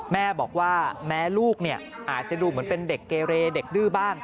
แม่บอกว่าแม้ลูกเนี่ยอาจจะดูเหมือนเป็นเด็กเกเรเด็กดื้อบ้าง